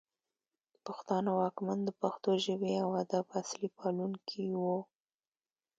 پښتانه واکمن د پښتو ژبې او ادب اصلي پالونکي وو